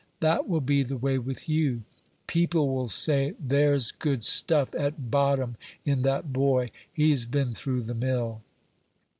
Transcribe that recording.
That will be the way with you; people will say there's good stuff at bottom in that boy; he's been through the mill."